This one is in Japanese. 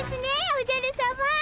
おじゃるさま。